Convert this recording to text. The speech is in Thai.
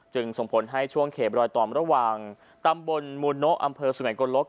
จึงส่งผลให้ช่วงเขบรอยตอบระหว่างตำบลมูนโนะอำเภอสุขีรินโกนลก